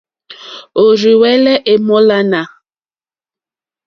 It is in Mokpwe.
Òrzì hwɛ́lɛ́ èmólánà.